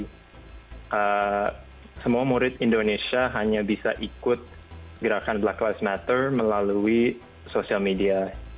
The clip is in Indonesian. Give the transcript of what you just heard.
jadi semua murid indonesia hanya bisa ikut gerakan black lives matter melalui sosial media